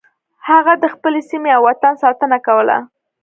هغه د خپلې سیمې او وطن ساتنه کوله.